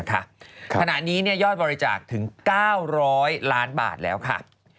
ขณะนี้ยอดบริจาคถึง๙๐๐ล้านบาทแล้วค่ะ